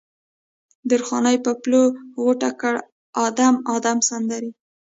درخانۍ په پلو غوټه کړه ادم، ادم سندرې